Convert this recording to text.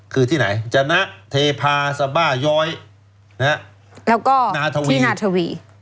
คือที่ไหนจนะเทพาสบายอยแล้วก็นาทวี